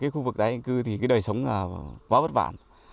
khu vực tái định cư thì đời sống quá vất vả